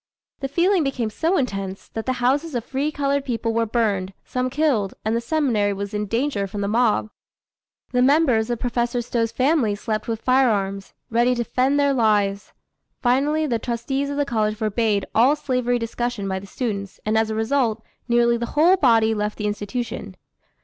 The feeling became so intense, that the houses of free colored people were burned, some killed, and the seminary was in danger from the mob. The members of Professor Stowe's family slept with firearms, ready to defend their lives. Finally the trustees of the college forbade all slavery discussion by the students, and as a result, nearly the whole body left the institution.